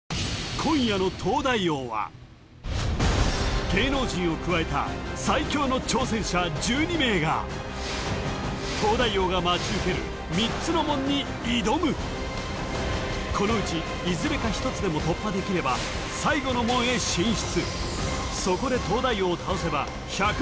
今夜の東大王は芸能人を加えた最強の挑戦者１２名が東大王が待ち受ける３つの門に挑むこのうちいずれか１つでも突破できれば最後の門へ進出